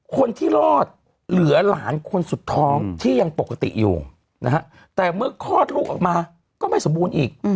คนที่รอดเหลือหลานคนสุดท้องที่ยังปกติอยู่นะฮะแต่เมื่อคลอดลูกออกมาก็ไม่สมบูรณ์อีก